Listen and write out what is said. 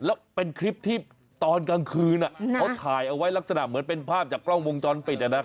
แล้วเป็นคลิปที่ตอนกลางคืนเขาถ่ายเอาไว้ลักษณะเหมือนเป็นภาพจากกล้องวงจรปิด